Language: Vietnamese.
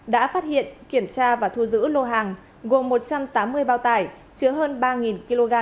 đã phát hiện kiểm tra và thu giữ lô hàng gồm một trăm tám mươi bao tải chứa hơn ba kg